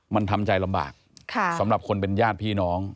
มันทำใจลำบากสำหรับคนเป็นญาติพี่น้อง